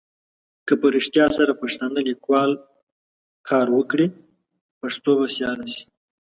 که په رېښتیا سره پښتانه لیکوال کار وکړي پښتو به سیاله سي.